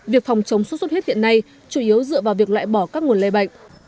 việc phòng chống sốt xuất huyết hiện nay chủ yếu dựa vào việc loại bỏ các nguồn lây bệnh